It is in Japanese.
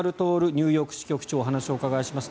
ニューヨーク支局長にお話をお伺いします。